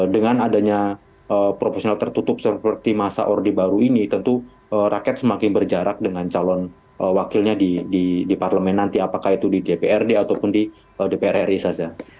dengan adanya proporsional tertutup seperti masa orde baru ini tentu rakyat semakin berjarak dengan calon wakilnya di parlemen nanti apakah itu di dprd ataupun di dpr ri saja